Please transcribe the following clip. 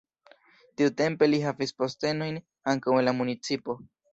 Tiutempe li havis postenojn ankaŭ en la municipo.